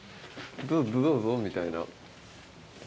「どうぞどうぞ」みたいな。